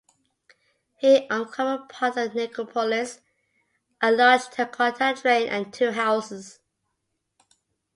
He uncovered part of a necropolis, a large terracotta drain and two houses.